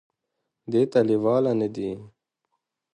دې ته لېواله نه دي ،